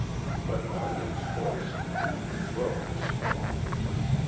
But Melian's voice and movement broke the spell.